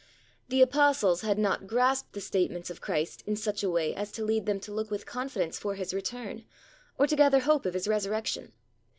The Apostles had not grasped the statements of Christ in such a way as to lead them to look with confidence for His return, or to gather hope of His resurrection.